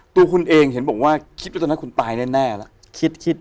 ตัวคุณเองเห็นบอกว่าคิดว่าตอนนั้นคุณตายแน่แล้ว